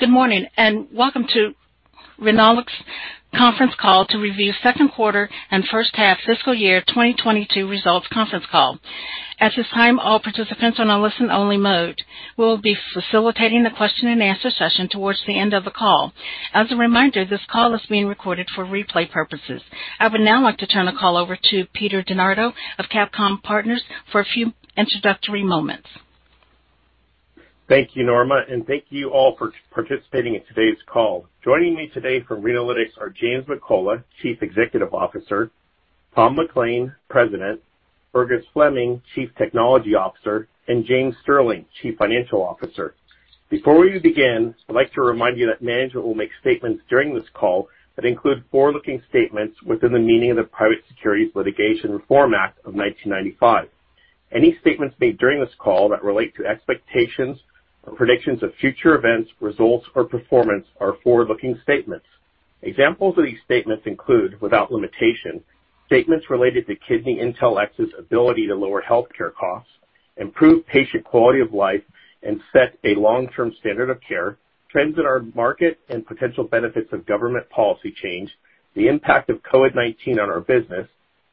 Good morning, and welcome to Renalytix conference call to review second quarter and first half fiscal year 2022 results conference call. At this time, all participants are on a listen-only mode. We will be facilitating the question-and-answer session toward the end of the call. As a reminder, this call is being recorded for replay purposes. I would now like to turn the call over to Peter DeNardo of CapComm Partners for a few introductory moments. Thank you, Norma, and thank you all for participating in today's call. Joining me today from Renalytix are James McCullough, Chief Executive Officer, Tom McLain, President, Fergus Fleming, Chief Technology Officer, and James Sterling, Chief Financial Officer. Before we begin, I'd like to remind you that management will make statements during this call that include forward-looking statements within the meaning of the Private Securities Litigation Reform Act of 1995. Any statements made during this call that relate to expectations or predictions of future events, results or performance are forward-looking statements. Examples of these statements include, without limitation, statements related to KidneyIntelX's ability to lower healthcare costs, improve patient quality of life, and set a long-term standard of care, trends in our market and potential benefits of government policy change, the impact of COVID-19 on our business,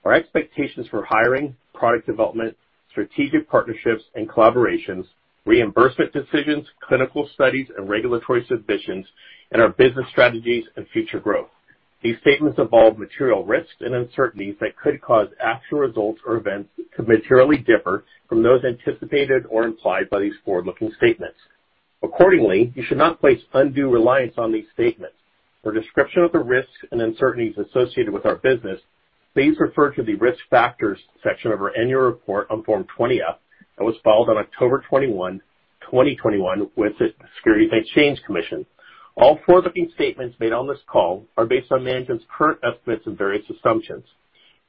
our expectations for hiring, product development, strategic partnerships and collaborations, reimbursement decisions, clinical studies and regulatory submissions, and our business strategies and future growth. These statements involve material risks and uncertainties that could cause actual results or events to materially differ from those anticipated or implied by these forward-looking statements. Accordingly, you should not place undue reliance on these statements. For a description of the risks and uncertainties associated with our business, please refer to the Risk Factors section of our annual report on Form 20-F that was filed on October 21, 2021 with the Securities and Exchange Commission. All forward-looking statements made on this call are based on management's current estimates and various assumptions.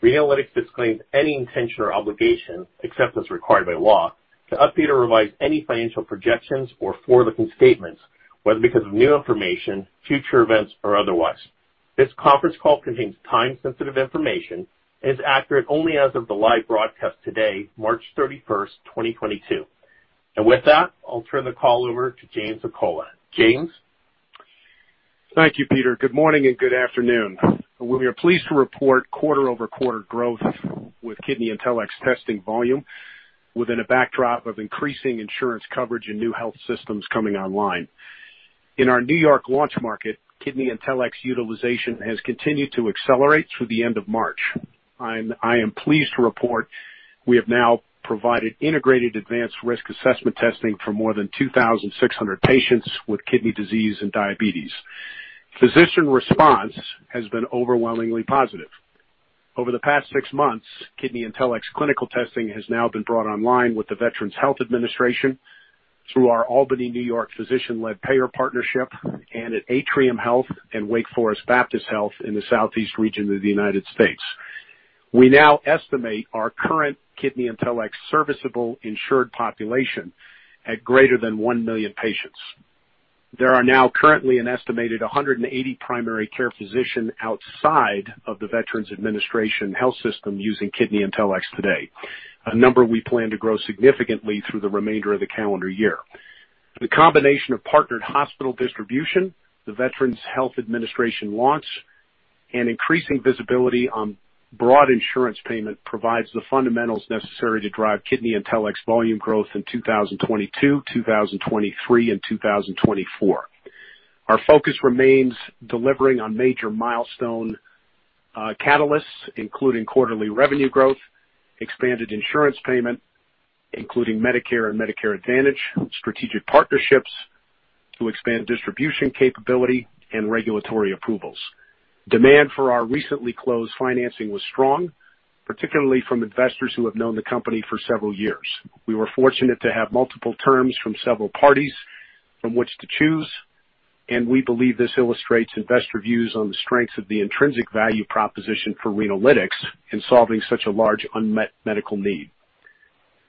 Renalytix disclaims any intention or obligation, except as required by law, to update or revise any financial projections or forward-looking statements, whether because of new information, future events, or otherwise. This conference call contains time-sensitive information and is accurate only as of the live broadcast today, March 31st, 2022. With that, I'll turn the call over to James McCullough. James. Thank you, Peter. Good morning and good afternoon. We are pleased to report quarter-over-quarter growth with KidneyIntelX testing volume within a backdrop of increasing insurance coverage and new health systems coming online. In our New York launch market, KidneyIntelX utilization has continued to accelerate through the end of March. I am pleased to report we have now provided integrated advanced risk assessment testing for more than 2,600 patients with kidney disease and diabetes. Physician response has been overwhelmingly positive. Over the past six months, KidneyIntelX clinical testing has now been brought online with the Veterans Health Administration through our Albany, New York physician-led payer partnership and at Atrium Health and Wake Forest Baptist Health in the southeast region of the United States. We now estimate our current KidneyIntelX serviceable insured population at greater than 1 million patients. There are now currently an estimated 180 primary care physicians outside of the Veterans Health Administration using KidneyIntelX today. A number we plan to grow significantly through the remainder of the calendar year. The combination of partnered hospital distribution, the Veterans Health Administration launch, and increasing visibility on broad insurance payment provides the fundamentals necessary to drive KidneyIntelX volume growth in 2022, 2023, and 2024. Our focus remains delivering on major milestone catalysts, including quarterly revenue growth, expanded insurance payment, including Medicare and Medicare Advantage, strategic partnerships to expand distribution capability and regulatory approvals. Demand for our recently closed financing was strong, particularly from investors who have known the company for several years. We were fortunate to have multiple terms from several parties from which to choose, and we believe this illustrates investor views on the strengths of the intrinsic value proposition for Renalytix in solving such a large unmet medical need.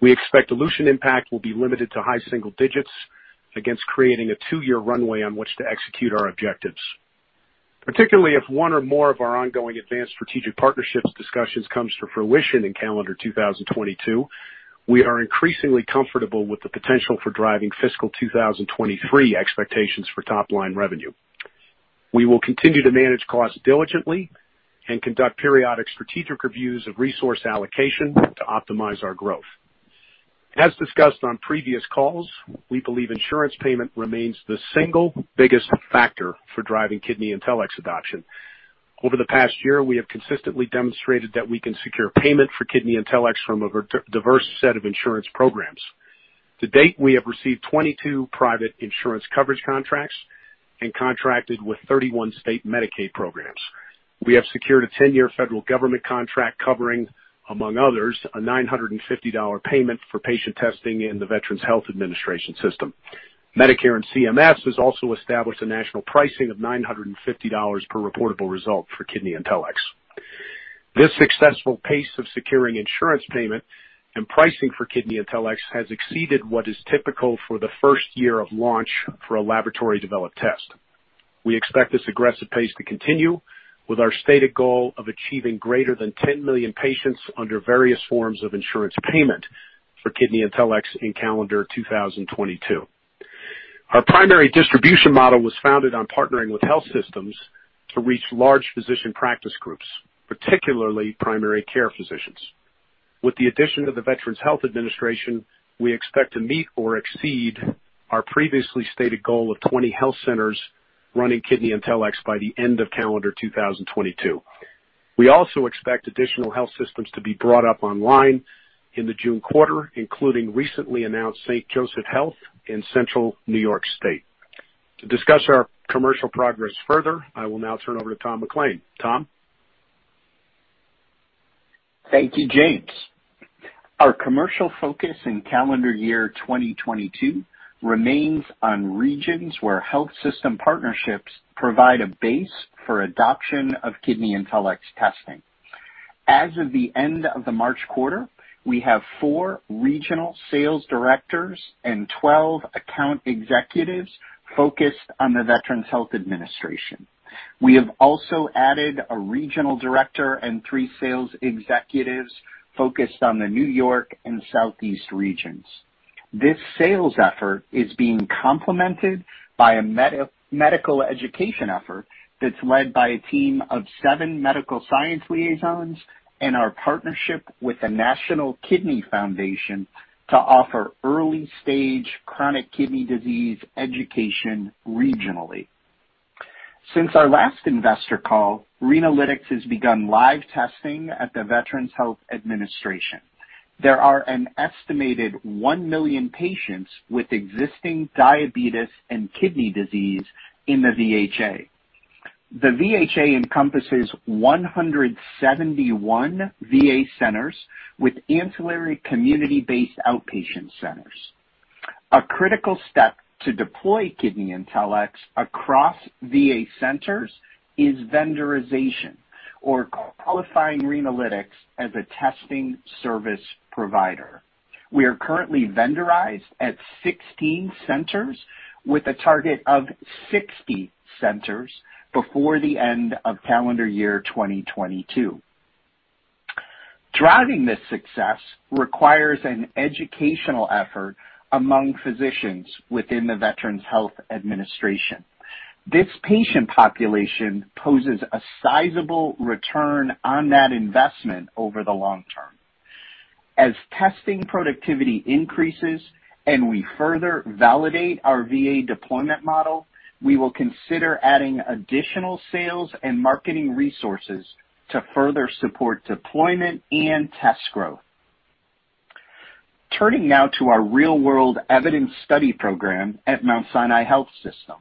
We expect dilution impact will be limited to high single digits against creating a two-year runway on which to execute our objectives. Particularly if one or more of our ongoing advanced strategic partnerships discussions comes to fruition in calendar 2022, we are increasingly comfortable with the potential for driving fiscal 2023 expectations for top line revenue. We will continue to manage costs diligently and conduct periodic strategic reviews of resource allocation to optimize our growth. As discussed on previous calls, we believe insurance payment remains the single biggest factor for driving KidneyIntelX's adoption. Over the past year, we have consistently demonstrated that we can secure payment for KidneyIntelX from a diverse set of insurance programs. To date, we have received 22 private insurance coverage contracts and contracted with 31 state Medicaid programs. We have secured a 10-year federal government contract covering, among others, a $950 payment for patient testing in the Veterans Health Administration system. Medicare and CMS has also established a national pricing of $950 per reportable result for KidneyIntelX. This successful pace of securing insurance payment and pricing for KidneyIntelX has exceeded what is typical for the first year of launch for a laboratory-developed test. We expect this aggressive pace to continue with our stated goal of achieving greater than 10 million patients under various forms of insurance payment for KidneyIntelX in calendar 2022. Our primary distribution model was founded on partnering with health systems to reach large physician practice groups, particularly primary care physicians. With the addition of the Veterans Health Administration, we expect to meet or exceed our previously stated goal of 20 health centers running KidneyIntelX by the end of calendar 2022. We also expect additional health systems to be brought up online in the June quarter, including recently announced St. Joseph's Health in central New York State. To discuss our commercial progress further, I will now turn over to Tom McLain. Tom? Thank you, James. Our commercial focus in calendar year 2022 remains on regions where health system partnerships provide a base for adoption of KidneyIntelX testing. As of the end of the March quarter, we have four regional sales directors and 12 account executives focused on the Veterans Health Administration. We have also added a regional director and three sales executives focused on the New York and Southeast regions. This sales effort is being complemented by a medical education effort that's led by a team of seven medical science liaisons and our partnership with the National Kidney Foundation to offer early stage chronic kidney disease education regionally. Since our last investor call, Renalytix has begun live testing at the Veterans Health Administration. There are an estimated 1 million patients with existing diabetes and kidney disease in the VHA. The VHA encompasses 171 VA centers with ancillary community-based outpatient centers. A critical step to deploy KidneyIntelX across VA centers is vendorization or qualifying Renalytix as a testing service provider. We are currently vendorized at 16 centers with a target of 60 centers before the end of calendar year 2022. Driving this success requires an educational effort among physicians within the Veterans Health Administration. This patient population poses a sizable return on that investment over the long term. As testing productivity increases and we further validate our VA deployment model, we will consider adding additional sales and marketing resources to further support deployment and test growth. Turning now to our real-world evidence study program at Mount Sinai Health System.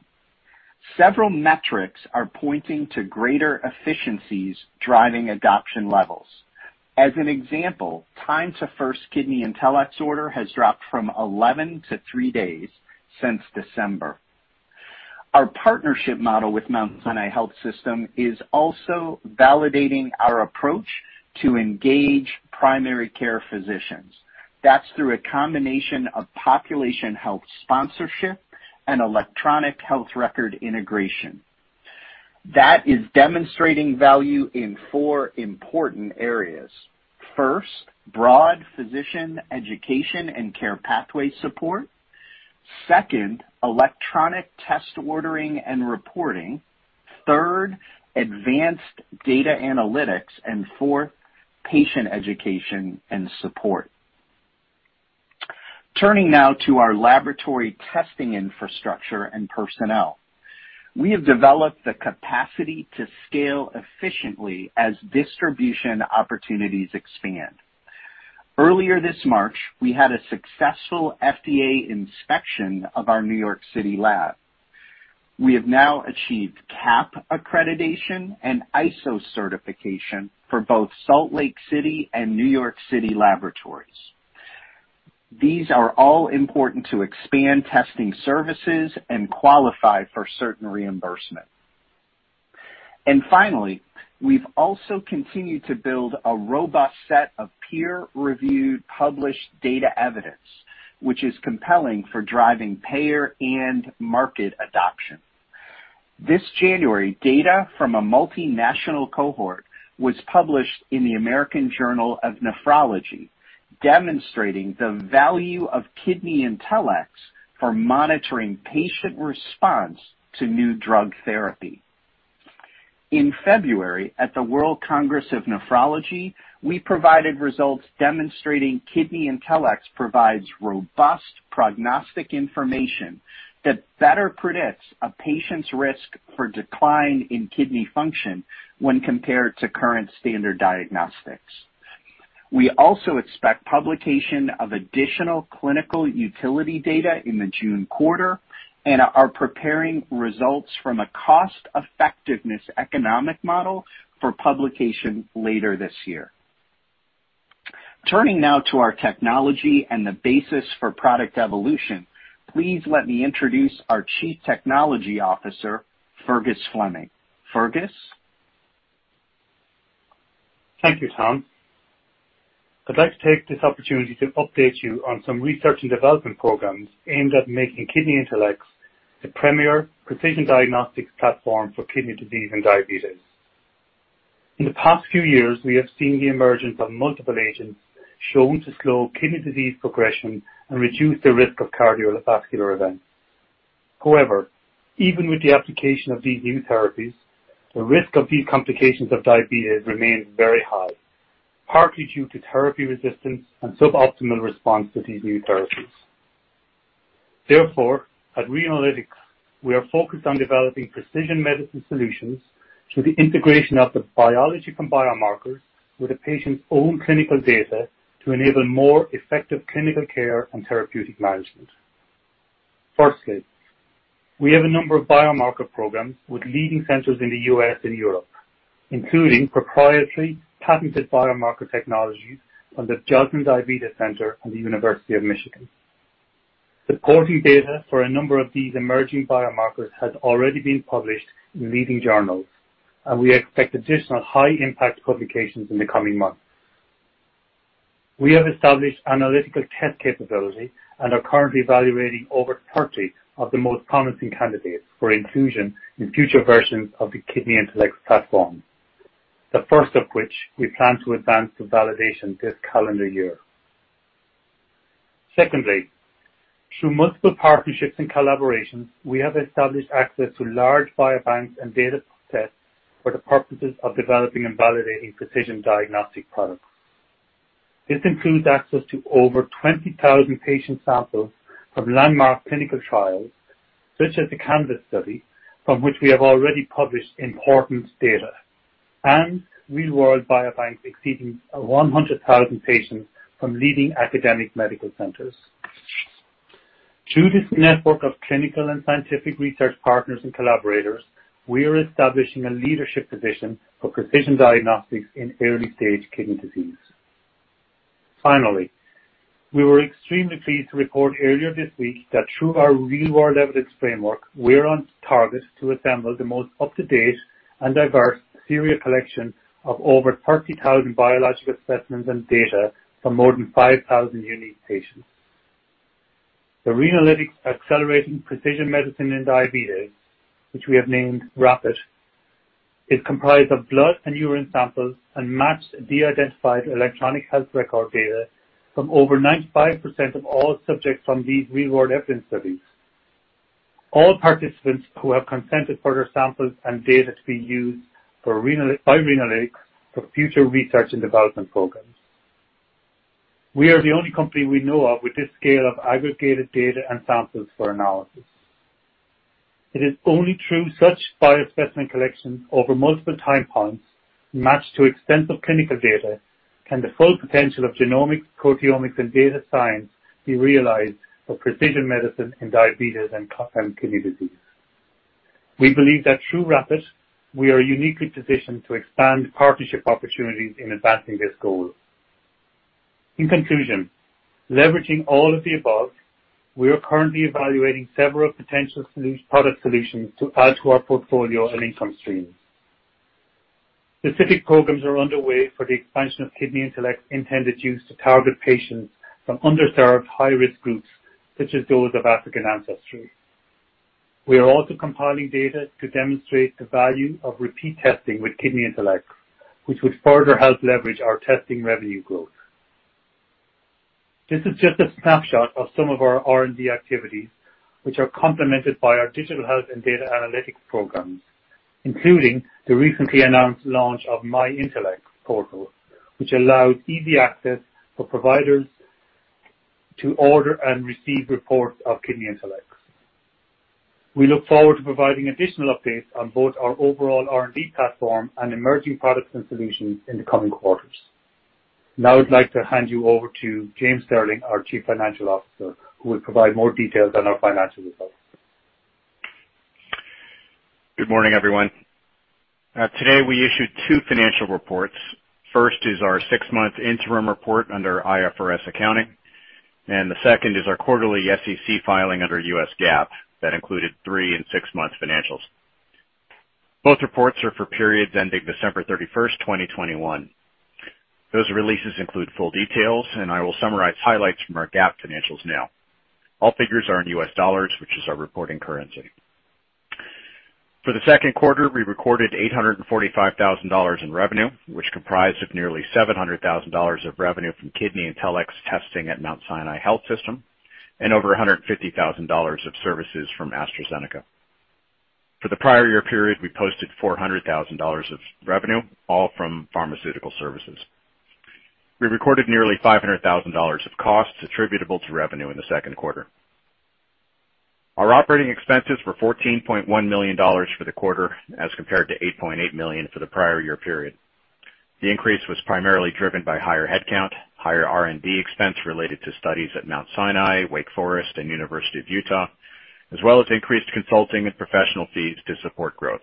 Several metrics are pointing to greater efficiencies driving adoption levels. As an example, time to first KidneyIntelX order has dropped from 11 to three days since December. Our partnership model with Mount Sinai Health System is also validating our approach to engage primary care physicians. That's through a combination of population health sponsorship and electronic health record integration. That is demonstrating value in four important areas. First, broad physician education and care pathway support. Second, electronic test ordering and reporting. Third, advanced data analytics. And fourth, patient education and support. Turning now to our laboratory testing infrastructure and personnel. We have developed the capacity to scale efficiently as distribution opportunities expand. Earlier this March, we had a successful FDA inspection of our New York City lab. We have now achieved CAP accreditation and ISO certification for both Salt Lake City and New York City laboratories. These are all important to expand testing services and qualify for certain reimbursement. Finally, we've also continued to build a robust set of peer-reviewed, published data evidence, which is compelling for driving payer and market adoption. This January, data from a multinational cohort was published in the American Journal of Nephrology, demonstrating the value of KidneyIntelX for monitoring patient response to new drug therapy. In February, at the World Congress of Nephrology, we provided results demonstrating KidneyIntelX provides robust prognostic information that better predicts a patient's risk for decline in kidney function when compared to current standard diagnostics. We also expect publication of additional clinical utility data in the June quarter and are preparing results from a cost-effectiveness economic model for publication later this year. Turning now to our technology and the basis for product evolution. Please let me introduce our Chief Technology Officer, Fergus Fleming. Fergus? Thank you, Tom. I'd like to take this opportunity to update you on some research and development programs aimed at making KidneyIntelX the premier precision diagnostics platform for kidney disease and diabetes. In the past few years, we have seen the emergence of multiple agents shown to slow kidney disease progression and reduce the risk of cardiovascular events. However, even with the application of these new therapies, the risk of these complications of diabetes remains very high, partly due to therapy resistance and suboptimal response to these new therapies. Therefore, at Renalytix, we are focused on developing precision medicine solutions through the integration of the biology from biomarkers with a patient's own clinical data to enable more effective clinical care and therapeutic management. Firstly, we have a number of biomarker programs with leading centers in the U.S. and Europe, including proprietary patented biomarker technologies from the Joslin Diabetes Center and the University of Michigan. Supporting data for a number of these emerging biomarkers has already been published in leading journals, and we expect additional high-impact publications in the coming months. We have established analytical test capability and are currently evaluating over 30 of the most promising candidates for inclusion in future versions of the KidneyIntelX platform, the first of which we plan to advance to validation this calendar year. Secondly, through multiple partnerships and collaborations, we have established access to large biobanks and data sets for the purposes of developing and validating precision diagnostic products. This includes access to over 20,000 patient samples from landmark clinical trials such as the CANVAS study, from which we have already published important data, and real-world biobanks exceeding 100,000 patients from leading academic medical centers. Through this network of clinical and scientific research partners and collaborators, we are establishing a leadership position for precision diagnostics in early-stage kidney disease. Finally, we were extremely pleased to report earlier this week that through our real-world evidence framework, we're on target to assemble the most up-to-date and diverse serial collection of over 30,000 biological specimens and data from more than 5,000 unique patients. The Renalytix Accelerating Precision-Medicine in Diabetes, which we have named RAPID, is comprised of blood and urine samples and matched de-identified electronic health record data from over 95% of all subjects from these real-world evidence studies. All participants who have consented for their samples and data to be used by Renalytix for future research and development programs. We are the only company we know of with this scale of aggregated data and samples for analysis. It is only through such biospecimen collections over multiple time points matched to extensive clinical data can the full potential of genomics, proteomics, and data science be realized for precision medicine in diabetes and kidney disease. We believe that through RAPID, we are uniquely positioned to expand partnership opportunities in advancing this goal. In conclusion, leveraging all of the above, we are currently evaluating several potential product solutions to add to our portfolio and income stream. Specific programs are underway for the expansion of KidneyIntelX intended use to target patients from underserved high-risk groups such as those of African ancestry. We are also compiling data to demonstrate the value of repeat testing with KidneyIntelX, which would further help leverage our testing revenue growth. This is just a snapshot of some of our R&D activities, which are complemented by our digital health and data analytics programs, including the recently announced launch of myIntelX portal, which allows easy access for providers to order and receive reports of KidneyIntelX. We look forward to providing additional updates on both our overall R&D platform and emerging products and solutions in the coming quarters. Now I'd like to hand you over to James Sterling, our Chief Financial Officer, who will provide more details on our financial results. Good morning, everyone. Today, we issued two financial reports. First is our six-month interim report under IFRS accounting, and the second is our quarterly SEC filing under U.S. GAAP that included three- and six-month financials. Both reports are for periods ending December 31st, 2021. Those releases include full details, and I will summarize highlights from our GAAP financials now. All figures are in US dollars, which is our reporting currency. For the second quarter, we recorded $845,000 in revenue, which comprised of nearly $700,000 of revenue from KidneyIntelX testing at Mount Sinai Health System and over $150,000 of services from AstraZeneca. For the prior year period, we posted $400,000 of revenue, all from pharmaceutical services. We recorded nearly $500,000 of costs attributable to revenue in the second quarter. Our operating expenses were $14.1 million for the quarter, as compared to $8.8 million for the prior year period. The increase was primarily driven by higher headcount, higher R&D expense related to studies at Mount Sinai, Wake Forest, and University of Utah, as well as increased consulting and professional fees to support growth.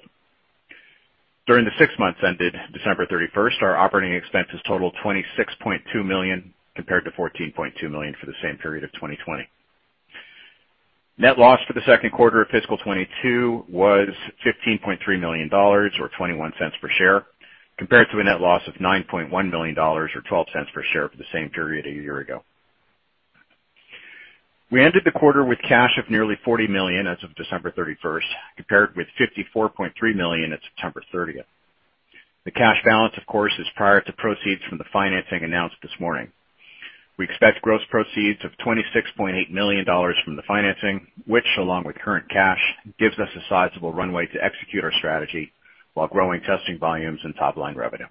During the six months ended December 31st, our operating expenses totaled $26.2 million, compared to $14.2 million for the same period of 2020. Net loss for the second quarter of fiscal 2022 was $15.3 million or $0.21 per share, compared to a net loss of $9.1 million or $0.12 per share for the same period a year ago. We ended the quarter with cash of nearly $40 million as of December 31st, compared with $54.3 million at September 30th. The cash balance, of course, is prior to proceeds from the financing announced this morning. We expect gross proceeds of $26.8 million from the financing, which along with current cash, gives us a sizable runway to execute our strategy while growing testing volumes and top line revenue.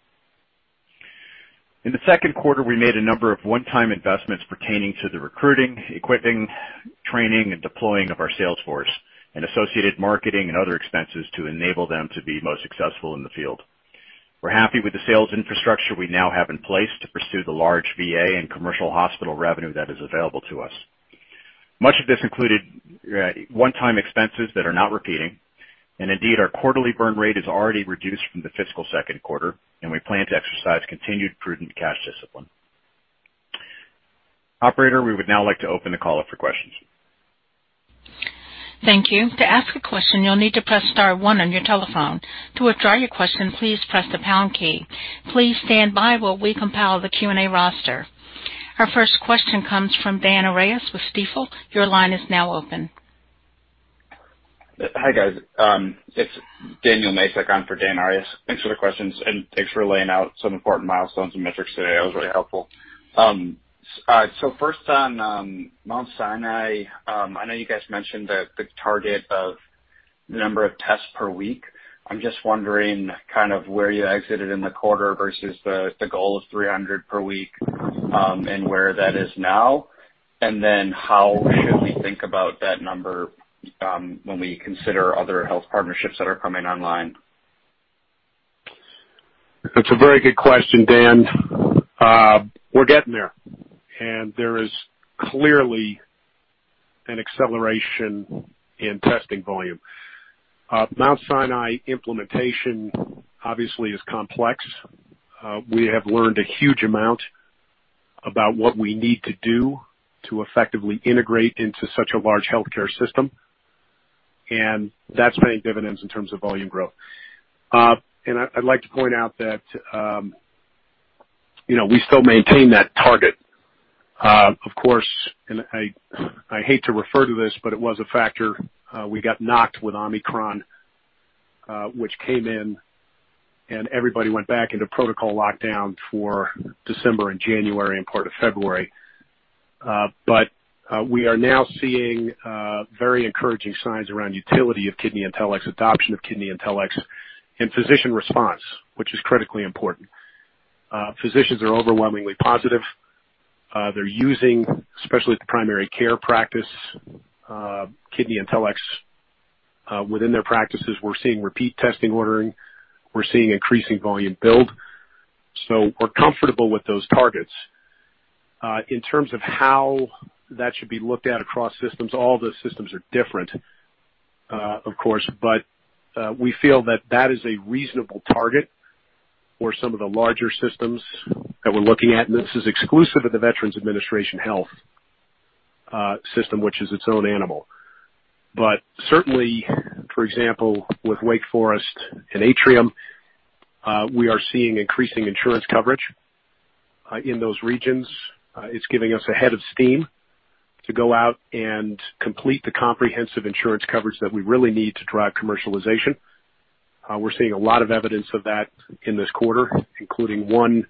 In the second quarter, we made a number of one-time investments pertaining to the recruiting, equipping, training, and deploying of our sales force and associated marketing and other expenses to enable them to be most successful in the field. We're happy with the sales infrastructure we now have in place to pursue the large VA and commercial hospital revenue that is available to us. Much of this included one-time expenses that are not repeating, and indeed, our quarterly burn rate is already reduced from the fiscal second quarter, and we plan to exercise continued prudent cash discipline. Operator, we would now like to open the call up for questions. Our first question comes from Dan Arias with Stifel. Your line is now open. Hi, guys. It's Daniel Masek on for Dan Arias. Thanks for the questions, and thanks for laying out some important milestones and metrics today. That was really helpful. All right, so first on Mount Sinai, I know you guys mentioned the target of number of tests per week. I'm just wondering kind of where you exited in the quarter versus the goal of 300 per week, and where that is now, and then how should we think about that number when we consider other health partnerships that are coming online? That's a very good question, Dan. We're getting there, and there is clearly an acceleration in testing volume. Mount Sinai implementation obviously is complex. We have learned a huge amount about what we need to do to effectively integrate into such a large healthcare system, and that's paying dividends in terms of volume growth. I'd like to point out that, you know, we still maintain that target. Of course, I hate to refer to this, but it was a factor. We got knocked with Omicron, which came in and everybody went back into protocol lockdown for December and January and part of February. We are now seeing very encouraging signs around utility of KidneyIntelX, adoption of KidneyIntelX and physician response, which is critically important. Physicians are overwhelmingly positive. They're using, especially the primary care practice, KidneyIntelX within their practices. We're seeing repeat testing ordering. We're seeing increasing volume build. We're comfortable with those targets. In terms of how that should be looked at across systems, all those systems are different, of course, but we feel that is a reasonable target for some of the larger systems that we're looking at, and this is exclusive of the Veterans Health Administration system, which is its own animal. Certainly, for example, with Wake Forest and Atrium Health, we are seeing increasing insurance coverage in those regions. It's giving us a head of steam to go out and complete the comprehensive insurance coverage that we really need to drive commercialization. We're seeing a lot of evidence of that in this quarter, including one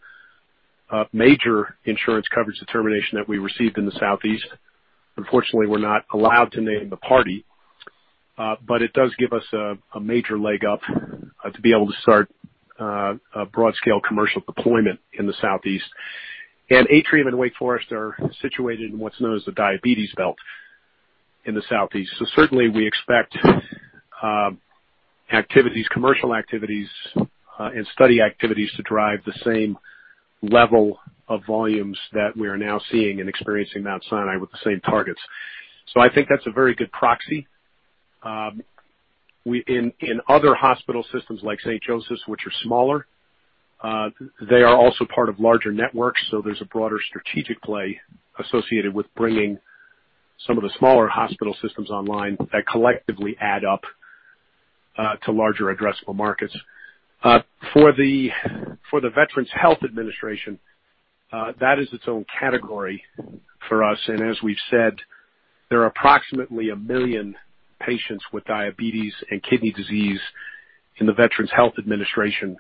major insurance coverage determination that we received in the southeast. Unfortunately, we're not allowed to name the party, but it does give us a major leg up to be able to start a broad scale commercial deployment in the southeast. Atrium and Wake Forest are situated in what's known as the diabetes belt in the southeast. Certainly we expect activities, commercial activities, and study activities to drive the same level of volumes that we are now seeing and experiencing Mount Sinai with the same targets. I think that's a very good proxy. In other hospital systems like St. Joseph's, which are smaller, they are also part of larger networks, so there's a broader strategic play associated with bringing some of the smaller hospital systems online that collectively add up to larger addressable markets. For the Veterans Health Administration, that is its own category for us. As we've said, there are approximately 1 million patients with diabetes and kidney disease in the Veterans Health Administration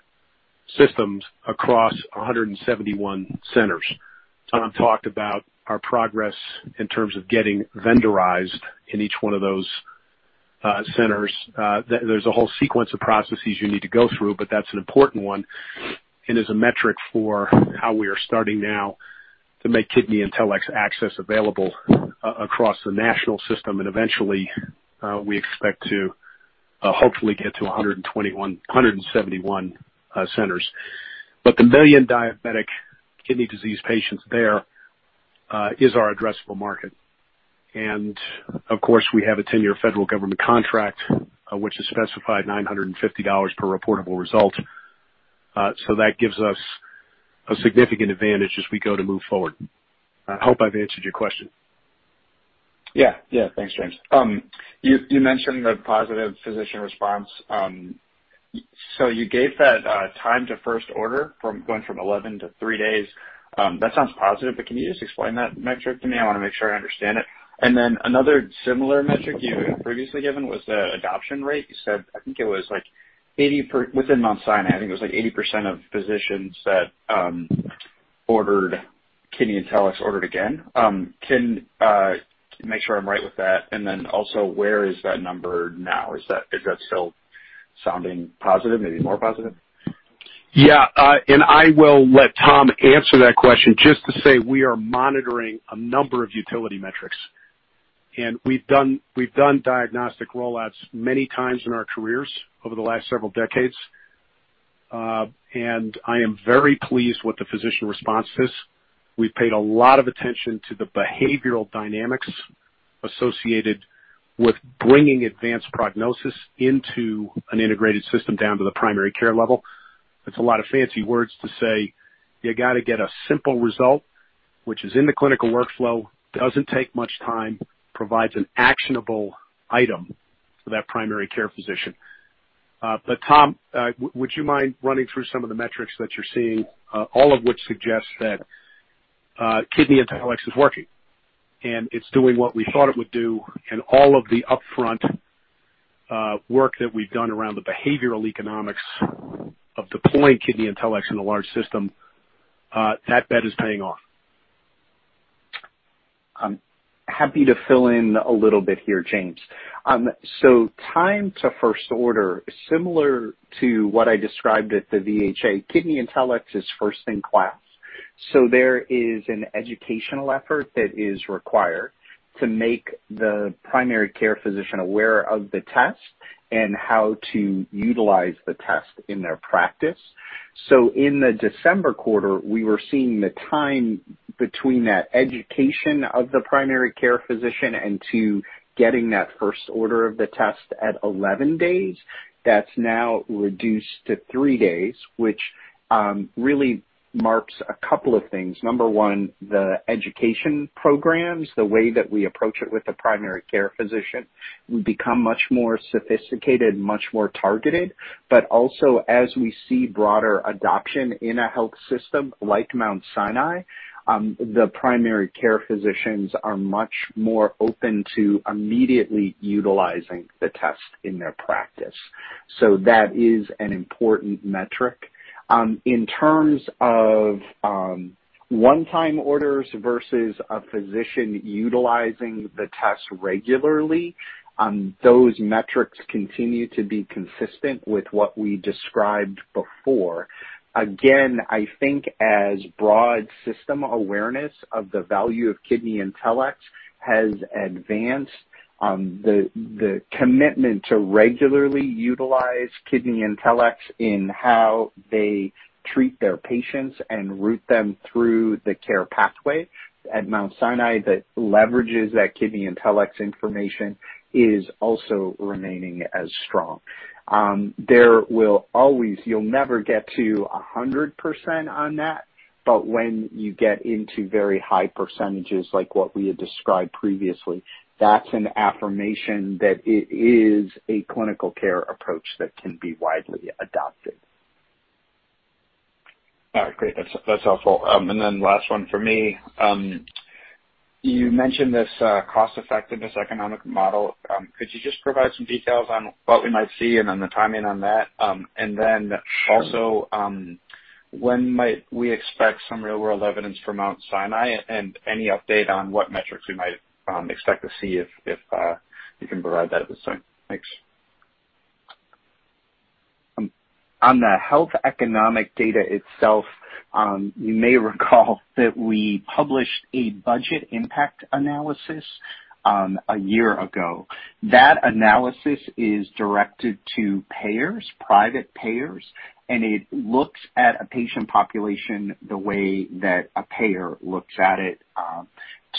systems across 171 centers. Tom talked about our progress in terms of getting vendorized in each one of those centers. There's a whole sequence of processes you need to go through, but that's an important one and is a metric for how we are starting now to make KidneyIntelX access available across the national system. Eventually, we expect to hopefully get to 121-171 centers. The 1 million diabetic kidney disease patients there is our addressable market. Of course, we have a 10-year federal government contract, which has specified $950 per reportable result. That gives us a significant advantage as we go to move forward. I hope I've answered your question. Yeah, yeah. Thanks, James. You mentioned the positive physician response. You gave that time to first order from going from 11 to three days. That sounds positive, but can you just explain that metric to me? I want to make sure I understand it. Another similar metric you had previously given was the adoption rate. You said, I think it was like 80% within Mount Sinai, I think it was like 80% of physicians that ordered KidneyIntelX ordered again. Can make sure I'm right with that. Where is that number now? Is that still sounding positive, maybe more positive? Yeah. I will let Tom answer that question just to say we are monitoring a number of utility metrics. We've done diagnostic rollouts many times in our careers over the last several decades. I am very pleased with the physician responses. We've paid a lot of attention to the behavioral dynamics associated with bringing advanced prognosis into an integrated system down to the primary care level. It's a lot of fancy words to say you gotta get a simple result, which is in the clinical workflow, doesn't take much time, provides an actionable item for that primary care physician. Tom, would you mind running through some of the metrics that you're seeing, all of which suggest that KidneyIntelX is working and it's doing what we thought it would do. All of the upfront work that we've done around the behavioral economics of deploying KidneyIntelX in a large system, that bet is paying off. I'm happy to fill in a little bit here, James. Time to first order, similar to what I described at the VHA, KidneyIntelX is first in class. There is an educational effort that is required to make the primary care physician aware of the test and how to utilize the test in their practice. In the December quarter, we were seeing the time between that education of the primary care physician and to getting that first order of the test at 11 days. That's now reduced to three days, which really marks a couple of things. Number one, the education programs, the way that we approach it with the primary care physician, we become much more sophisticated, much more targeted. As we see broader adoption in a health system like Mount Sinai, the primary care physicians are much more open to immediately utilizing the test in their practice. That is an important metric. In terms of one-time orders versus a physician utilizing the test regularly, those metrics continue to be consistent with what we described before. Again, I think as broad system awareness of the value of KidneyIntelX has advanced, the commitment to regularly utilize KidneyIntelX in how they treat their patients and route them through the care pathway at Mount Sinai that leverages that KidneyIntelX information is also remaining as strong. There will always, you'll never get to 100% on that, but when you get into very high percentages like what we had described previously, that's an affirmation that it is a clinical care approach that can be widely adopted. All right, great. That's helpful. Last one for me. You mentioned this cost-effectiveness economic model. Could you just provide some details on what we might see and on the timing on that? When might we expect some real-world evidence for Mount Sinai and any update on what metrics we might expect to see if you can provide that at this time? Thanks. On the health economic data itself, you may recall that we published a budget impact analysis a year ago. That analysis is directed to payers, private payers, and it looks at a patient population the way that a payer looks at it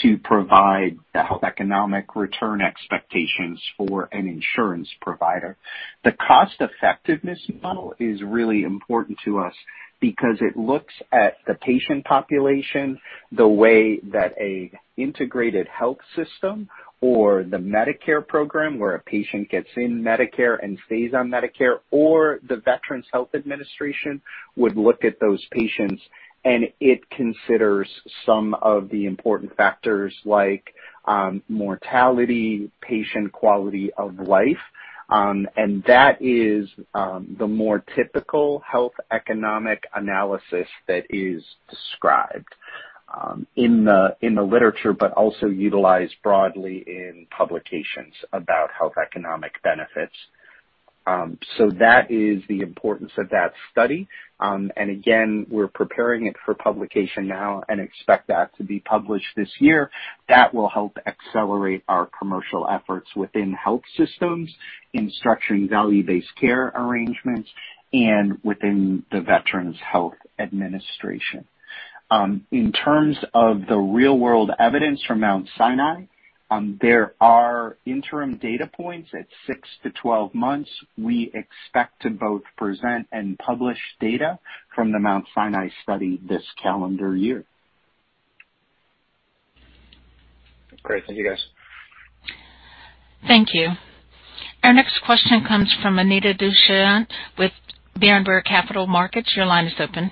to provide the health economic return expectations for an insurance provider. The cost effectiveness model is really important to us because it looks at the patient population the way that an integrated health system or the Medicare program, where a patient gets in Medicare and stays on Medicare, or the Veterans Health Administration would look at those patients, and it considers some of the important factors like mortality, patient quality of life. That is the more typical health economic analysis that is described in the literature, but also utilized broadly in publications about health economic benefits. That is the importance of that study. Again, we're preparing it for publication now and expect that to be published this year. That will help accelerate our commercial efforts within health systems in structuring value-based care arrangements and within the Veterans Health Administration. In terms of the real world evidence from Mount Sinai, there are interim data points at 6-12 months. We expect to both present and publish data from the Mount Sinai study this calendar year. Great. Thank you guys. Thank you. Our next question comes from Anita Dushyanth with Berenberg Capital Markets. Your line is open.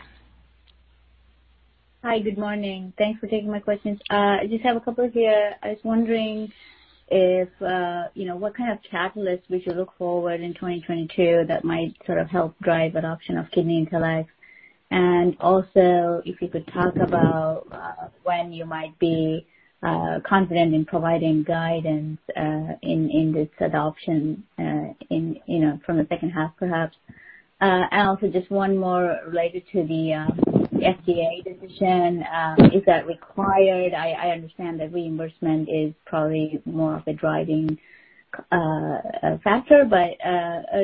Hi. Good morning. Thanks for taking my questions. I just have a couple here. I was wondering if you know what kind of catalyst we should look forward to in 2022 that might sort of help drive adoption of KidneyIntelX. Also, if you could talk about when you might be confident in providing guidance in this adoption, you know, from the second half perhaps. Also just one more related to the FDA decision. Is that required? I understand that reimbursement is probably more of a driving factor, but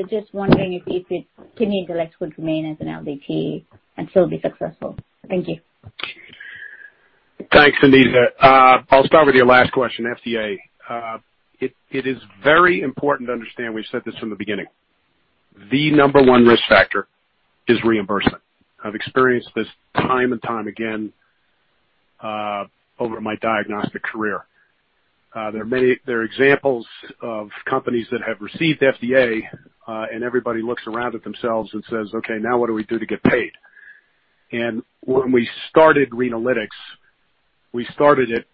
just wondering if you think KidneyIntelX would remain as an LDT and still be successful. Thank you. Thanks, Anita. I'll start with your last question, FDA. It is very important to understand, we've said this from the beginning, the number one risk factor is reimbursement. I've experienced this time and time again over my diagnostic career. There are examples of companies that have received FDA, and everybody looks around at themselves and says, "Okay, now what do we do to get paid?" When we started Renalytix, we started it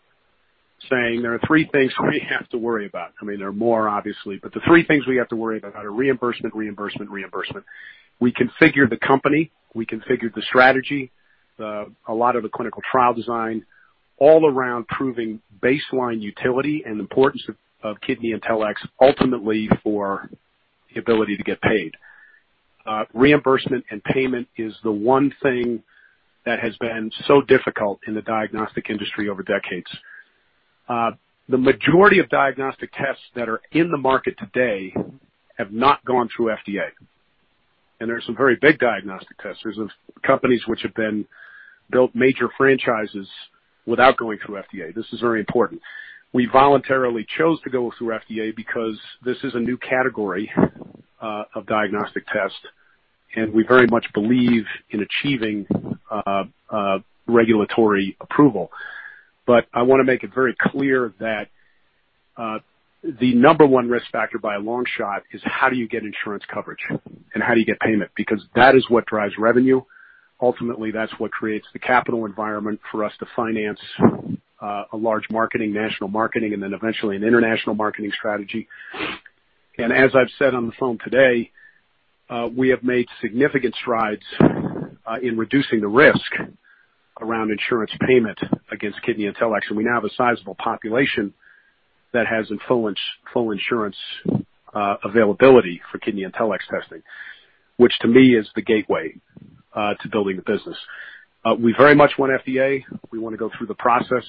saying, there are three things we have to worry about. I mean, there are more obviously, but the three things we have to worry about are reimbursement, reimbursement. We configured the company, we configured the strategy, a lot of the clinical trial design all around proving baseline utility and importance of KidneyIntelX, ultimately for the ability to get paid. Reimbursement and payment is the one thing that has been so difficult in the diagnostic industry over decades. The majority of diagnostic tests that are in the market today have not gone through FDA, and there are some very big diagnostic tests. There are companies which have been built major franchises without going through FDA. This is very important. We voluntarily chose to go through FDA because this is a new category of diagnostic tests, and we very much believe in achieving regulatory approval. I wanna make it very clear that the number one risk factor by a long shot is how do you get insurance coverage and how do you get payment? Because that is what drives revenue. Ultimately, that's what creates the capital environment for us to finance a large marketing, national marketing, and then eventually an international marketing strategy. As I've said on the phone today, we have made significant strides in reducing the risk around insurance payment against KidneyIntelX. We now have a sizable population that has full insurance availability for KidneyIntelX testing, which to me is the gateway to building the business. We very much want FDA. We wanna go through the process.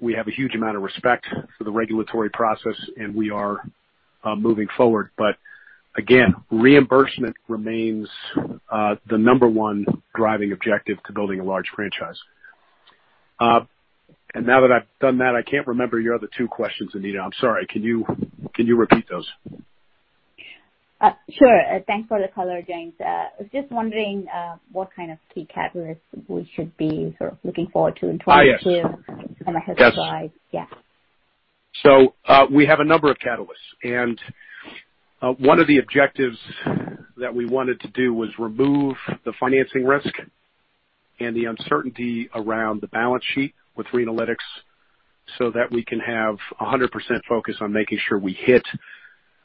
We have a huge amount of respect for the regulatory process, and we are moving forward. Again, reimbursement remains the number one driving objective to building a large franchise. Now that I've done that, I can't remember your other two questions, Anita. Can you repeat those? Sure. Thanks for the color, James. I was just wondering what kind of key catalysts we should be sort of looking forward to in 2022 on the horizon. Yes. Yeah. We have a number of catalysts, and one of the objectives that we wanted to do was remove the financing risk and the uncertainty around the balance sheet with Renalytix so that we can have 100% focus on making sure we hit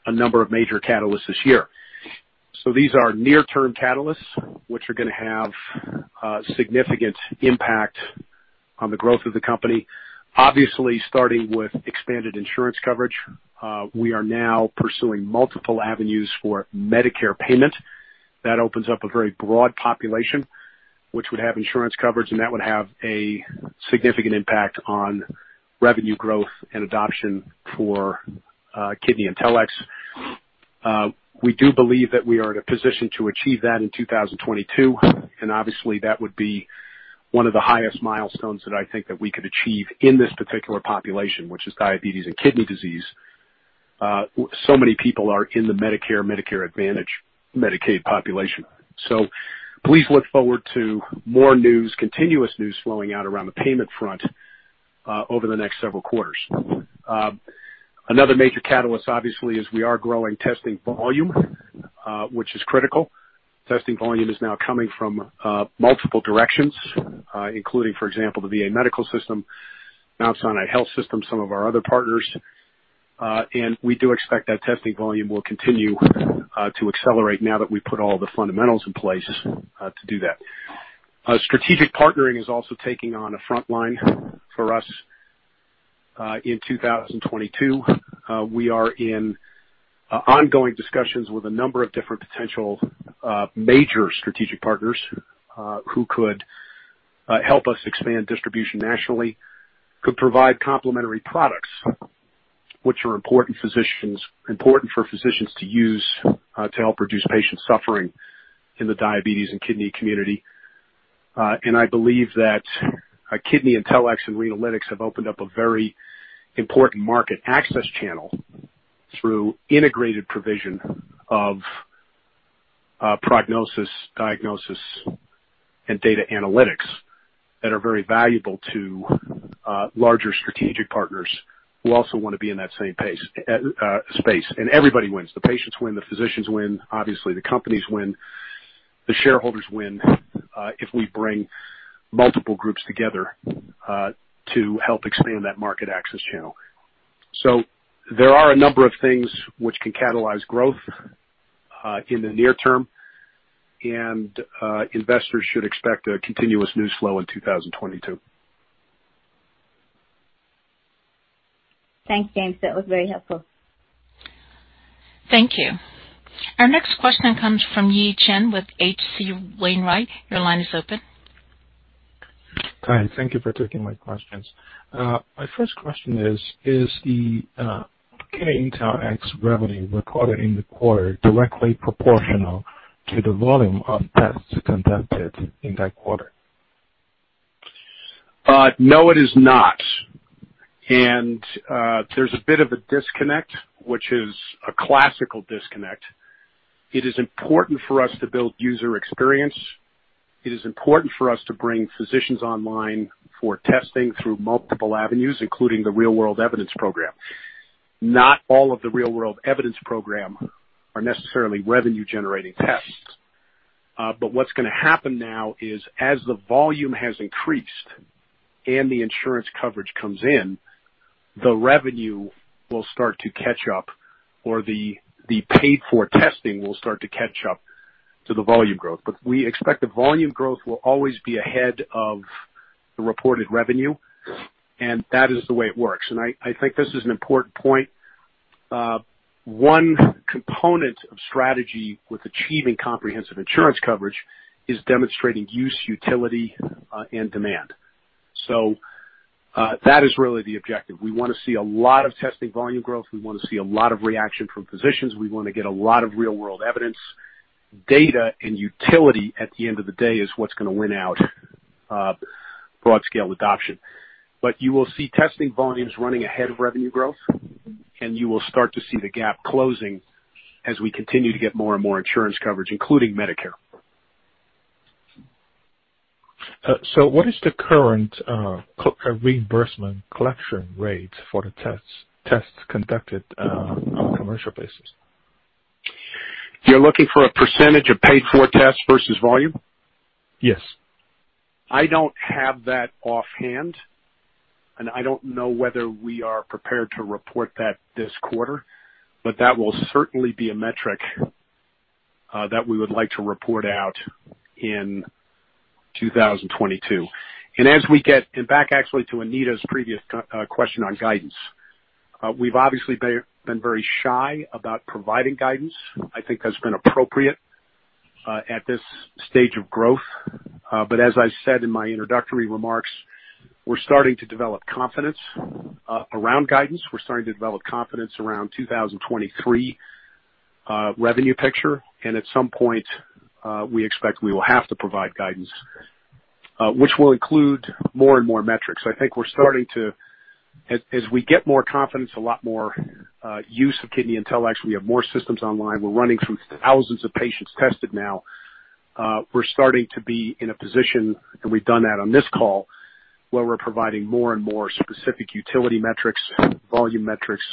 a number of major catalysts this year. These are near-term catalysts which are gonna have significant impact on the growth of the company. Obviously, starting with expanded insurance coverage, we are now pursuing multiple avenues for Medicare payment. That opens up a very broad population, which would have insurance coverage, and that would have a significant impact on revenue growth and adoption for KidneyIntelX. We do believe that we are in a position to achieve that in 2022. Obviously, that would be one of the highest milestones that I think that we could achieve in this particular population, which is diabetes and kidney disease. Many people are in the Medicare Advantage, Medicaid population. Please look forward to more news, continuous news flowing out around the payment front over the next several quarters. Another major catalyst obviously is we are growing testing volume, which is critical. Testing volume is now coming from multiple directions, including, for example, the VA medical system, Mount Sinai Health System, some of our other partners. We do expect that testing volume will continue to accelerate now that we put all the fundamentals in place to do that. Strategic partnering is also taking on a front line for us in 2022. We are in ongoing discussions with a number of different potential major strategic partners who could help us expand distribution nationally, could provide complementary products which are important for physicians to use to help reduce patient suffering in the diabetes and kidney community. I believe that KidneyIntelX and Renalytix have opened up a very important market access channel through integrated provision of prognosis, diagnosis, and data analytics that are very valuable to larger strategic partners who also want to be in that same space. Everybody wins. The patients win, the physicians win. Obviously, the companies win, the shareholders win if we bring multiple groups together to help expand that market access channel. There are a number of things which can catalyze growth in the near term, and investors should expect a continuous news flow in 2022. Thanks, James. That was very helpful. Thank you. Our next question comes from Yi Chen with H.C. Wainwright. Your line is open. Hi. Thank you for taking my questions. My first question is the KidneyIntelX revenue recorded in the quarter directly proportional to the volume of tests conducted in that quarter? No, it is not. There's a bit of a disconnect, which is a classical disconnect. It is important for us to build user experience. It is important for us to bring physicians online for testing through multiple avenues, including the real-world evidence program. Not all of the real-world evidence program are necessarily revenue generating tests. What's gonna happen now is as the volume has increased and the insurance coverage comes in, the revenue will start to catch up, or the paid for testing will start to catch up to the volume growth. We expect the volume growth will always be ahead of the reported revenue, and that is the way it works. I think this is an important point. One component of strategy with achieving comprehensive insurance coverage is demonstrating use, utility, and demand. That is really the objective. We want to see a lot of testing volume growth. We want to see a lot of reaction from physicians. We want to get a lot of real-world evidence. Data and utility at the end of the day is what's going to win out, broad-scale adoption. You will see testing volumes running ahead of revenue growth, and you will start to see the gap closing as we continue to get more and more insurance coverage, including Medicare. What is the current co-reimbursement collection rate for the tests conducted on commercial basis? You're looking for a percentage of paid for tests versus volume? Yes. I don't have that offhand, and I don't know whether we are prepared to report that this quarter, but that will certainly be a metric that we would like to report out in 2022. As we get back actually to Anita's previous question on guidance, we've obviously been very shy about providing guidance. I think that's been appropriate at this stage of growth. As I said in my introductory remarks, we're starting to develop confidence around guidance. We're starting to develop confidence around 2023 revenue picture. At some point, we expect we will have to provide guidance, which will include more and more metrics. I think we're starting to as we get more confidence, a lot more use of KidneyIntelX, we have more systems online. We're running through thousands of patients tested now. We're starting to be in a position, and we've done that on this call, where we're providing more and more specific utility metrics, volume metrics,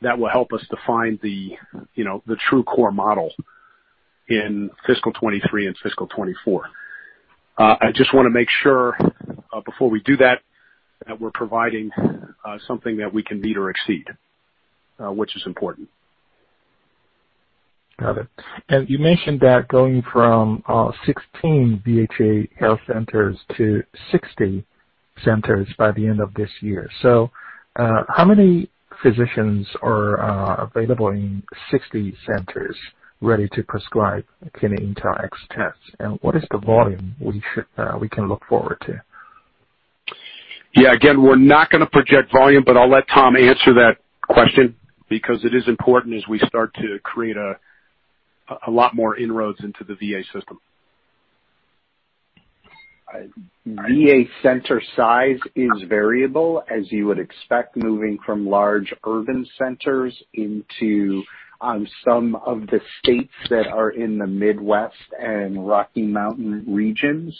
that will help us define the, you know, the true core model in fiscal 2023 and fiscal 2024. I just wanna make sure, before we do that we're providing, something that we can meet or exceed, which is important. Got it. You mentioned that going from 16 VHA health centers to 60 centers by the end of this year. How many physicians are available in 60 centers ready to prescribe KidneyIntelX tests, and what is the volume we can look forward to? Yeah, again, we're not gonna project volume, but I'll let Tom answer that question because it is important as we start to create a lot more inroads into the VA system. VA center size is variable, as you would expect, moving from large urban centers into some of the states that are in the Midwest and Rocky Mountain regions.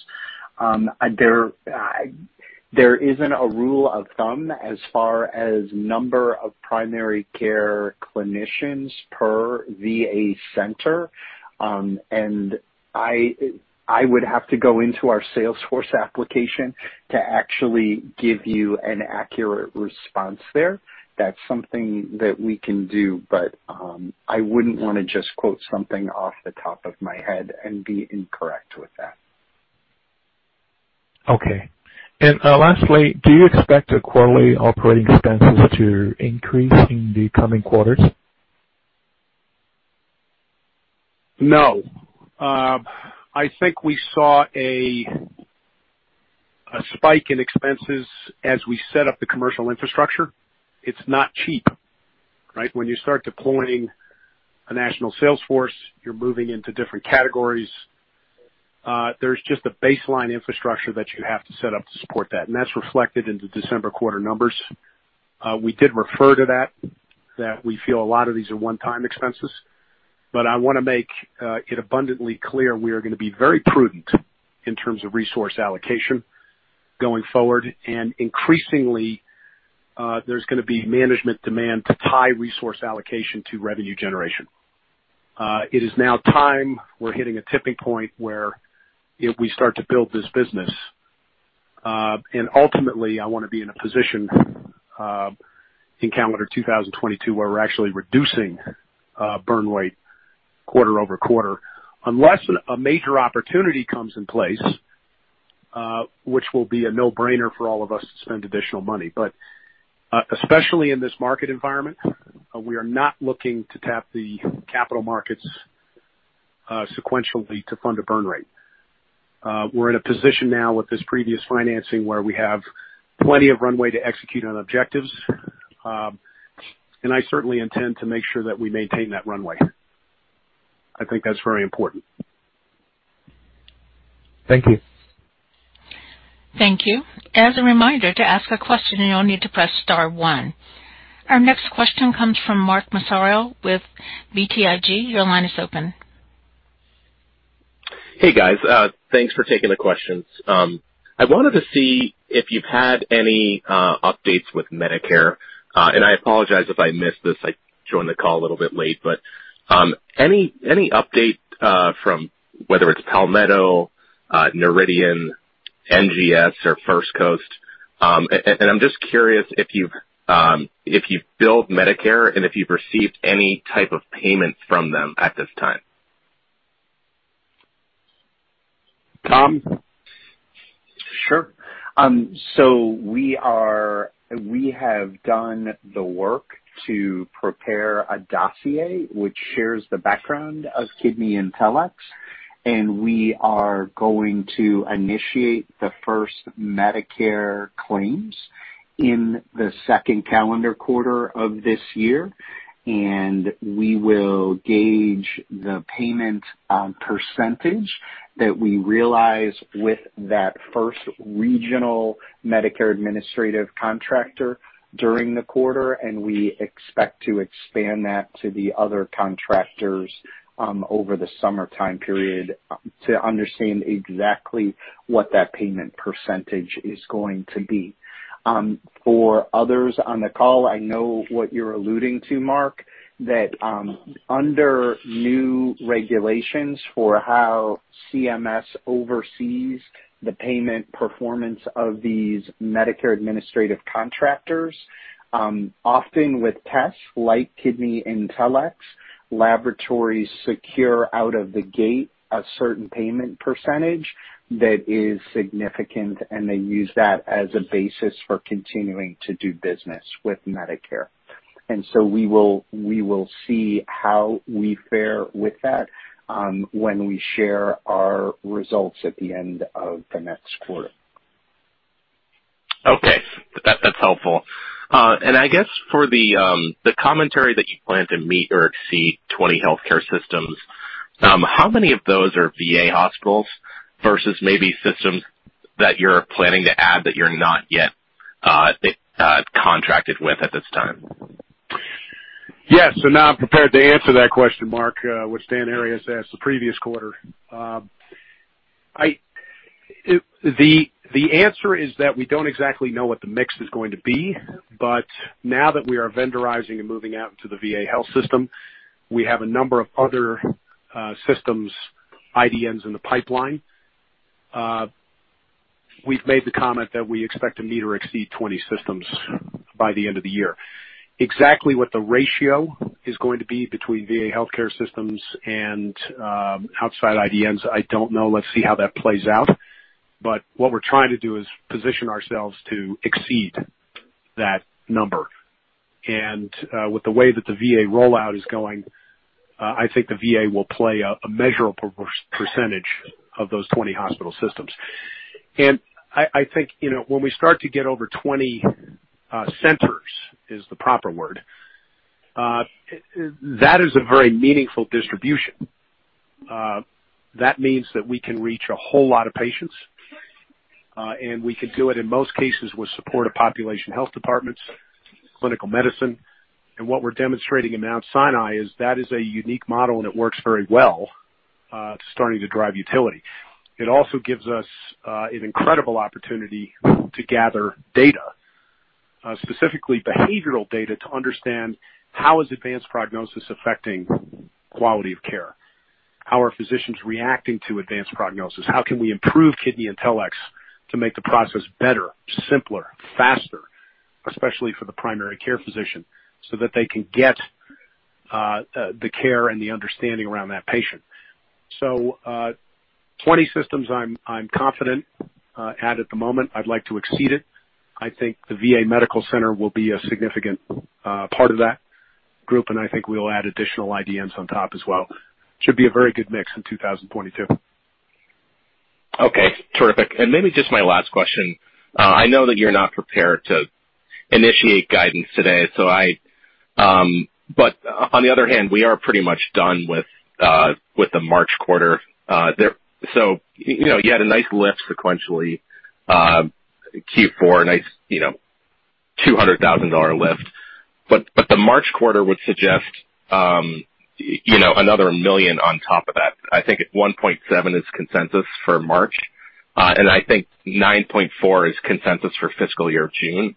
There isn't a rule of thumb as far as number of primary care clinicians per VA center. I would have to go into our sales force application to actually give you an accurate response there. That's something that we can do, but I wouldn't want to just quote something off the top of my head and be incorrect with that. Okay, lastly, do you expect the quarterly operating expenses to increase in the coming quarters? No. I think we saw a spike in expenses as we set up the commercial infrastructure. It's not cheap, right? When you start deploying a national sales force, you're moving into different categories. There's just a baseline infrastructure that you have to set up to support that, and that's reflected in the December quarter numbers. We did refer to that we feel a lot of these are one-time expenses. I wanna make it abundantly clear we are gonna be very prudent in terms of resource allocation going forward. Increasingly, there's gonna be management demand to tie resource allocation to revenue generation. It is now time, we're hitting a tipping point, where we start to build this business. Ultimately, I wanna be in a position in calendar 2022, where we're actually reducing burn rate quarter over quarter, unless a major opportunity comes in place, which will be a no-brainer for all of us to spend additional money. Especially in this market environment, we are not looking to tap the capital markets sequentially to fund a burn rate. We're in a position now with this previous financing where we have plenty of runway to execute on objectives, and I certainly intend to make sure that we maintain that runway. I think that's very important. Thank you. Thank you. As a reminder, to ask a question you'll need to press star one. Our next question comes from Mark Massaro with BTIG. Your line is open. Hey, guys. Thanks for taking the questions. I wanted to see if you've had any updates with Medicare. I apologize if I missed this, I joined the call a little bit late. Any update from whether it's Palmetto, Noridian, NGS or First Coast? I'm just curious if you've billed Medicare and if you've received any type of payment from them at this time. Tom? Sure. We have done the work to prepare a dossier which shares the background of KidneyIntelX, and we are going to initiate the first Medicare claims in the second calendar quarter of this year. We will gauge the payment percentage that we realize with that first regional Medicare administrative contractor during the quarter, and we expect to expand that to the other contractors over the summertime period to understand exactly what that payment percentage is going to be. For others on the call, I know what you're alluding to, Mark, that under new regulations for how CMS oversees the payment performance of these Medicare administrative contractors, often with tests like KidneyIntelX, laboratories secure out of the gate a certain payment percentage that is significant, and they use that as a basis for continuing to do business with Medicare. We will see how we fare with that when we share our results at the end of the next quarter. Okay. That's helpful. I guess for the commentary that you plan to meet or exceed 20 healthcare systems, how many of those are VA hospitals versus maybe systems that you're planning to add that you're not yet contracted with at this time? Yes, now I'm prepared to answer that question, Mark, which Dan Arias asked the previous quarter. The answer is that we don't exactly know what the mix is going to be, but now that we are vendorizing and moving out into the VA health system, we have a number of other systems, IDNs, in the pipeline. We've made the comment that we expect to meet or exceed 20 systems by the end of the year. Exactly what the ratio is going to be between VA healthcare systems and outside IDNs, I don't know. Let's see how that plays out. What we're trying to do is position ourselves to exceed that number. With the way that the VA rollout is going, I think the VA will play a measurable percentage of those 20 hospital systems. I think, you know, when we start to get over 20 centers is the proper word, that is a very meaningful distribution. That means that we can reach a whole lot of patients, and we can do it in most cases with support of population health departments, clinical medicine. What we're demonstrating in Mount Sinai is that is a unique model, and it works very well to starting to drive utility. It also gives us an incredible opportunity to gather data, specifically behavioral data, to understand how is advanced prognosis affecting quality of care? How are physicians reacting to advanced prognosis? How can we improve KidneyIntelX to make the process better, simpler, faster, especially for the primary care physician, so that they can get the care and the understanding around that patient. 20 systems. I'm confident at the moment I'd like to exceed it. I think the VA Medical Center will be a significant part of that group, and I think we'll add additional IDNs on top as well. Should be a very good mix in 2022. Okay. Terrific. Maybe just my last question. I know that you're not prepared to initiate guidance today, so I. But on the other hand, we are pretty much done with the March quarter. So, you know, you had a nice lift sequentially, Q4, a nice, you know, $200,000 lift. But the March quarter would suggest, you know, another $1 million on top of that. I think $1.7 million is consensus for March. And I think $9.4 million is consensus for fiscal year of June.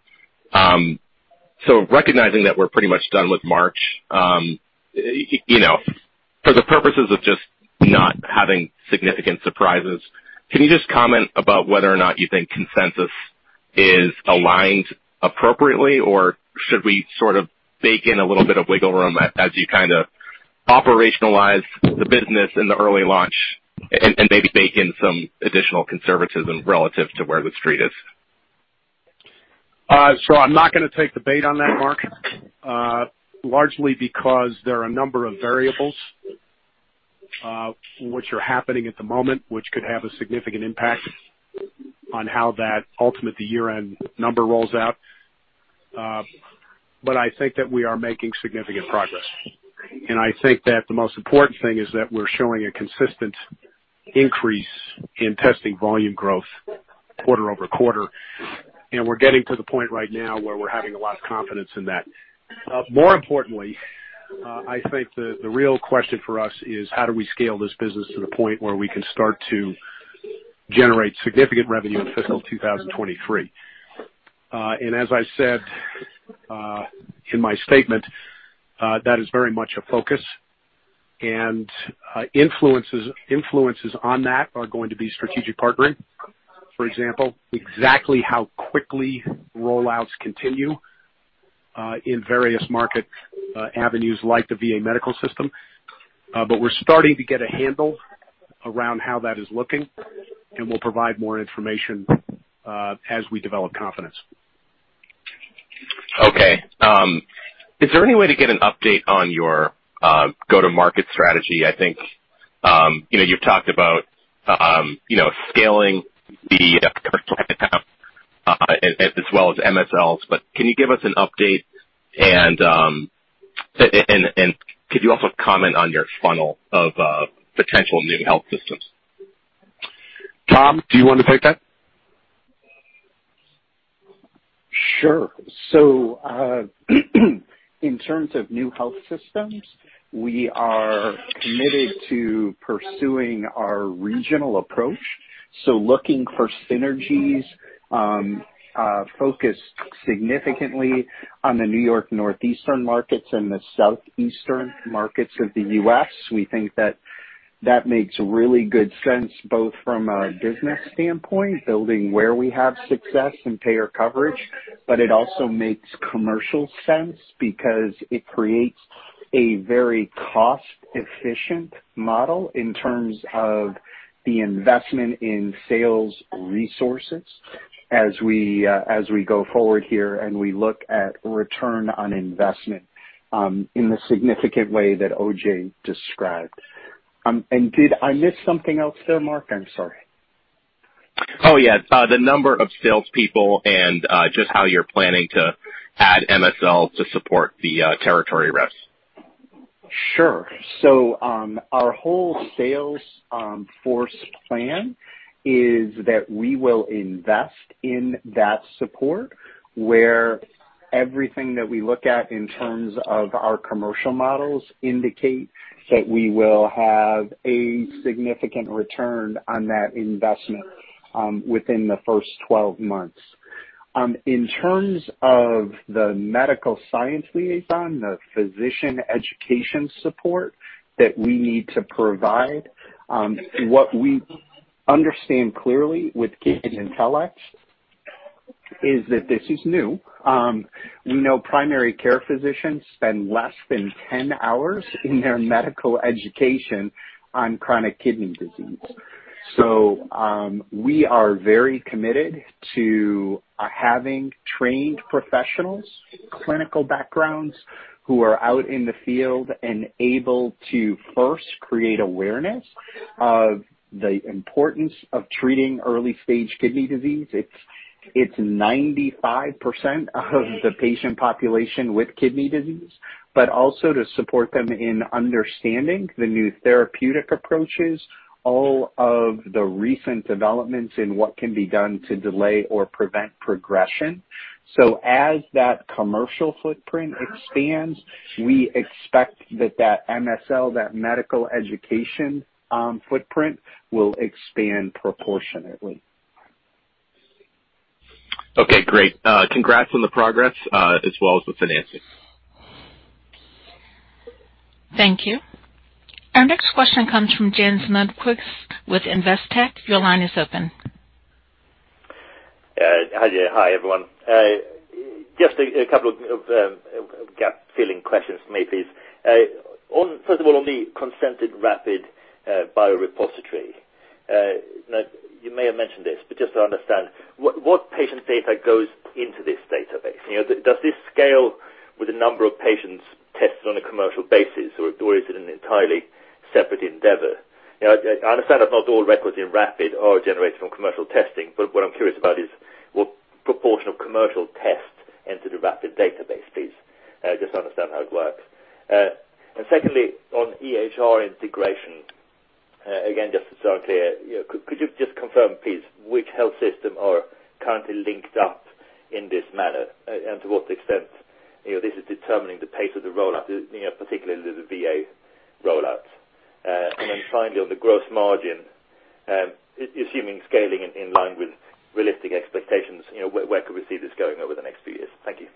Recognizing that we're pretty much done with March, you know, for the purposes of just not having significant surprises, can you just comment about whether or not you think consensus is aligned appropriately, or should we sort of bake in a little bit of wiggle room as you kind of operationalize the business in the early launch and maybe bake in some additional conservatism relative to where The Street is? I'm not gonna take the bait on that, Mark, largely because there are a number of variables which are happening at the moment, which could have a significant impact on how that ultimately the year-end number rolls out. I think that we are making significant progress. I think that the most important thing is that we're showing a consistent increase in testing volume growth quarter-over-quarter. We're getting to the point right now where we're having a lot of confidence in that. More importantly, I think the real question for us is how do we scale this business to the point where we can start to generate significant revenue in fiscal 2023? As I said in my statement, that is very much a focus and influences on that are going to be strategic partnering. For example, exactly how quickly rollouts continue in various market avenues like the VA medical system. We're starting to get a handle around how that is looking, and we'll provide more information as we develop confidence. Is there any way to get an update on your go-to-market strategy? I think, you know, you've talked about, you know, scaling sales as well as MSLs. Can you give us an update and could you also comment on your funnel of potential new health systems? Tom, do you want to take that? Sure. In terms of new health systems, we are committed to pursuing our regional approach. Looking for synergies, focused significantly on the New York northeastern markets and the southeastern markets of the U.S. We think that makes really good sense both from a business standpoint, building where we have success and payer coverage, but it also makes commercial sense because it creates a very cost-efficient model in terms of the investment in sales resources as we go forward here and we look at return on investment, in the significant way that OJ described. Did I miss something else there, Mark? I'm sorry. Oh, yeah. The number of salespeople and just how you're planning to add MSL to support the territory reps? Sure. Our whole sales force plan is that we will invest in that support where everything that we look at in terms of our commercial models indicate that we will have a significant return on that investment within the first 12 months. In terms of the medical science liaison, the physician education support that we need to provide, what we understand clearly with KidneyIntelX is that this is new. We know primary care physicians spend less than 10 hours in their medical education on chronic kidney disease. We are very committed to having trained professionals, clinical backgrounds who are out in the field and able to first create awareness of the importance of treating early stage kidney disease. It's 95% of the patient population with kidney disease, but also to support them in understanding the new therapeutic approaches, all of the recent developments in what can be done to delay or prevent progression. As that commercial footprint expands, we expect that MSL, medical education footprint will expand proportionately. Okay, great. Congrats on the progress, as well as the financing. Thank you. Our next question comes from Graeme Smith with Investec. Your line is open. Hi there. Hi, everyone. Just a couple of gap-filling questions for me, please. First of all, on the consented RAPID biorepository. Now, you may have mentioned this, but just to understand, what patient data goes into this database? You know, does this scale with the number of patients tested on a commercial basis, or is it an entirely separate endeavor? You know, I understand that not all records in RAPID are generated from commercial testing, but what I'm curious about is what proportion of commercial tests enter the RAPID database, please. Just to understand how it works. Secondly, on EHR integration, again, just so I'm clear, you know, could you just confirm, please, which health system are currently linked up in this manner, and to what extent, you know, this is determining the pace of the rollout, you know, particularly the VA rollouts. Finally, on the gross margin, assuming scaling in line with realistic expectations, you know, where could we see this going over the next few years? Thank you.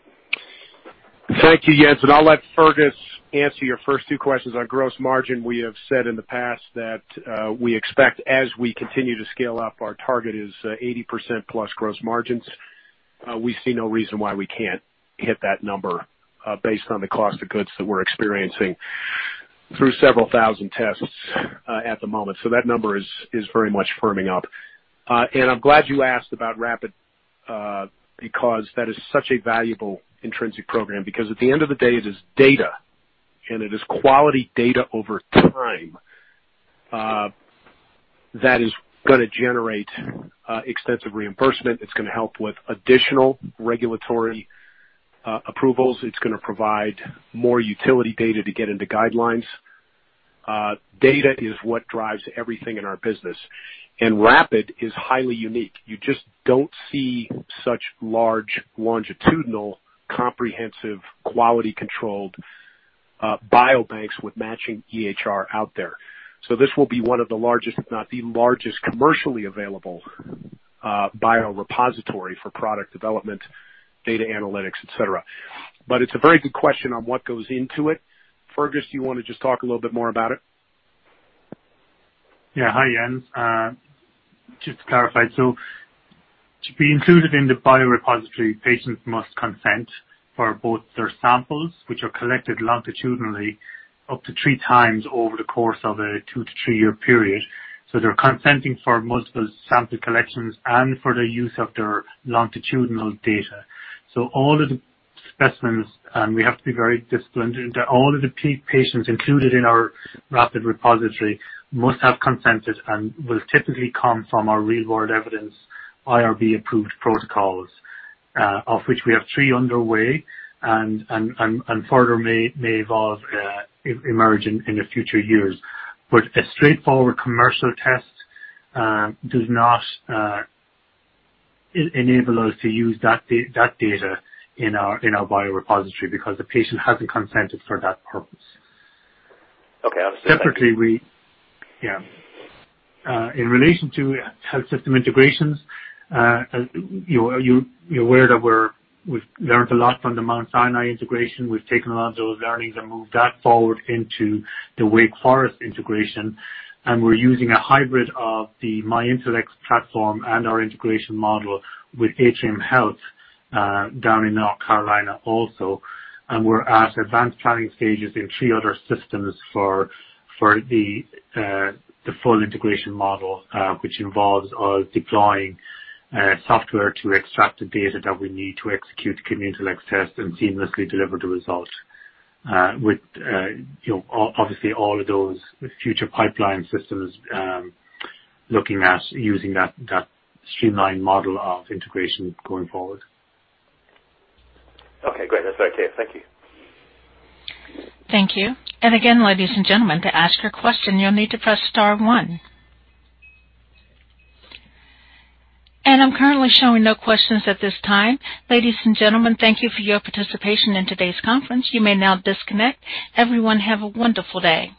Thank you, Graeme, and I'll let Fergus answer your first two questions. On gross margin, we have said in the past that we expect, as we continue to scale up, our target is 80%+ gross margins. We see no reason why we can't hit that number based on the cost of goods that we're experiencing through several thousand tests at the moment. That number is very much firming up. I'm glad you asked about RAPID because that is such a valuable intrinsic program because at the end of the day, it is data, and it is quality data over time that is gonna generate extensive reimbursement. It's gonna help with additional regulatory approvals. It's gonna provide more utility data to get into guidelines. Data is what drives everything in our business. RAPID is highly unique. You just don't see such large longitudinal, comprehensive, quality-controlled biobanks with matching EHR out there. This will be one of the largest, if not the largest, commercially available biorepository for product development, data analytics, et cetera. It's a very good question on what goes into it. Fergus, do you wanna just talk a little bit more about it? Yeah. Hi, Graeme. Just to clarify, to be included in the biorepository, patients must consent for both their samples, which are collected longitudinally up to 3x over the course of a two- to three-year period. They're consenting for multiple sample collections and for the use of their longitudinal data. All of the specimens, and we have to be very disciplined, all of the patients included in our RAPID repository must have consented and will typically come from our real-world evidence IRB-approved protocols, of which we have three underway and further may evolve, emerge in the future years. But a straightforward commercial test does not enable us to use that data in our biorepository because the patient hasn't consented for that purpose. Okay. I understand. Separately, in relation to health system integrations, you're aware that we've learned a lot from the Mount Sinai integration. We've taken a lot of those learnings and moved that forward into the Wake Forest integration, and we're using a hybrid of the myIntelX platform and our integration model with Atrium Health down in North Carolina also. We're at advanced planning stages in three other systems for the full integration model, which involves deploying software to extract the data that we need to execute KidneyIntelX tests and seamlessly deliver the results with you know obviously all of those future pipeline systems looking at using that streamlined model of integration going forward. Okay, great. That's very clear. Thank you. Thank you. Again, ladies and gentlemen, to ask your question, you'll need to press star one. I'm currently showing no questions at this time. Ladies and gentlemen, thank you for your participation in today's conference. You may now disconnect. Everyone, have a wonderful day.